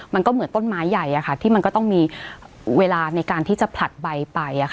มันก็เหมือนต้นไม้ใหญ่ที่มันก็ต้องมีเวลาในการที่จะผลัดใบไป